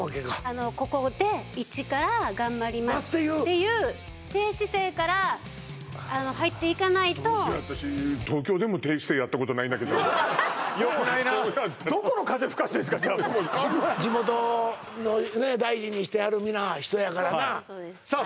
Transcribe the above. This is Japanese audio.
あのここでイチから頑張りますっていう低姿勢からあの入っていかないとどうしよう私東京でも低姿勢やったことないんだけどよくないなどこの風吹かせてるんですかじゃあもう地元のね大事にしてはる皆人やからなそうですそうですはいさあ